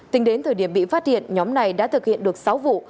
tính đến thời điểm bị phát hiện nhóm này đã thực hiện được sáu vụ